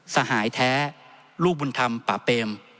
สหายแท้ลูกบุญธรรมป่าเปม